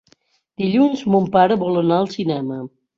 Dilluns mon pare vol anar al cinema.